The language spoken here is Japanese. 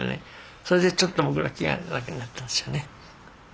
それでちょっと僕ら気が楽になったんですよね。